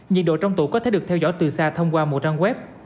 nhiệt độ trong tủ có thể được theo dõi từ xa thông qua một trang web